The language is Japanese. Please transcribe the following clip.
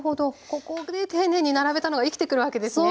ここで丁寧に並べたのが生きてくるわけですね。